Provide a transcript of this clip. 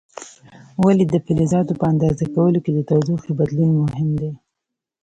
ولې د فلزاتو په اندازه کولو کې د تودوخې بدلون مهم دی؟